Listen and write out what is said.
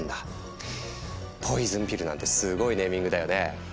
ポイズンピルなんてすごいネーミングだよね。